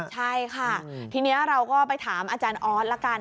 ใช่ค่ะทีนี้เราก็ไปถามอาจารย์ออสละกัน